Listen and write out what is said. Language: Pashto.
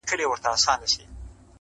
نن په مستو سترګو د جام ست راته ساقي وکړ-